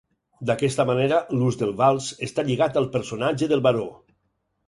D'aquesta manera, l'ús del vals està lligat al personatge del baró.